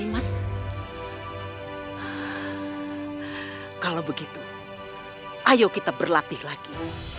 jika begitu ayo kita berlatih lagi